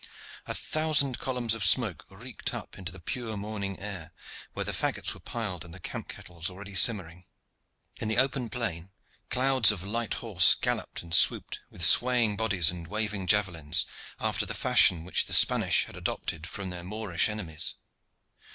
A thousand columns of smoke reeked up into the pure morning air where the faggots were piled and the camp kettles already simmering. In the open plain clouds of light horse galloped and swooped with swaying bodies and waving javelins, after the fashion which the Spanish had adopted from their Moorish enemies.